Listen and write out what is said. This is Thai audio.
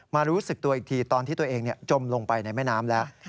รู้สึกตัวอีกทีตอนที่ตัวเองจมลงไปในแม่น้ำแล้ว